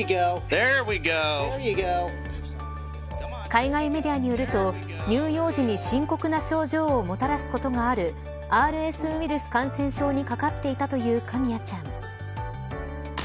海外メディアによると乳幼児に深刻な症状をもたらすことがあるＲＳウイルス感染症にかかっていたというカミヤちゃん。